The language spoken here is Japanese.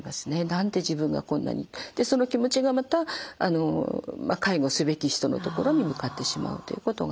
「何で自分がこんなに」ってその気持ちがまた介護すべき人のところに向かってしまうということがあります。